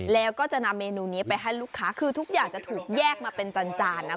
แล้วก็จะนำเมนูนี้ไปให้ลูกค้าคือทุกอย่างจะถูกแยกมาเป็นจานนะ